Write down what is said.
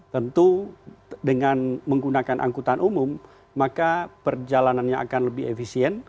tentu dengan menggunakan angkutan umum maka perjalanannya akan lebih efisien